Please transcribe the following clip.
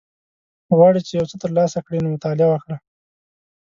غواړی چی یوڅه تر لاسه کړی نو مطالعه وکړه